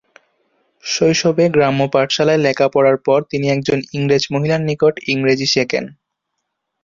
শৈশবে গ্রাম্য পাঠশালায় লেখাপড়ার পর তিনি একজন ইংরেজ মহিলার নিকট ইংরেজি শেখেন।